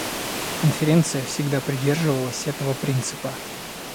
Конференция всегда придерживалась этого принципа.